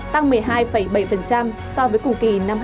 tăng một mươi hai bảy so với cùng kỳ năm hai nghìn hai mươi một